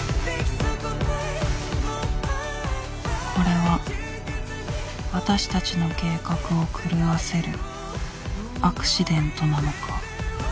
これは私たちの計画を狂わせるアクシデントなのか？